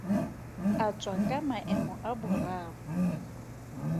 A tswa ka maemo a boraro.